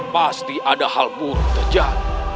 pasti ada hal buruk terjadi